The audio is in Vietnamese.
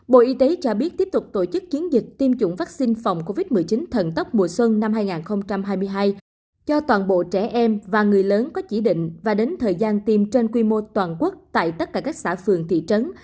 bộ y tế cho biết tiếp tục tổ chức chiến dịch tiêm chủng vaccine phòng covid một mươi chín thần tốc mùa xuân năm hai nghìn hai mươi hai cho toàn bộ trẻ em và người lớn có chỉ định và đến thời gian tiêm trên quy mô toàn quốc tại tất cả các xã phường thị trấn